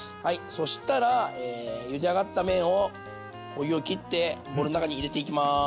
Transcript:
そしたらゆで上がった麺をお湯を切ってボウルの中に入れていきます。